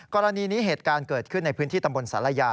กรณีนี้เหตุการณ์เกิดขึ้นในพื้นที่ตำบลศาลายา